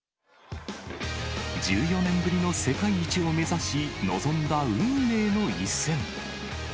１４年ぶりの世界一を目指し、臨んだ運命の一戦。